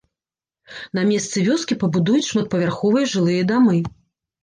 На месцы вёскі пабудуюць шматпавярховыя жылыя дамы.